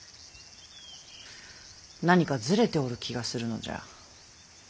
何かずれておる気がするのじゃ。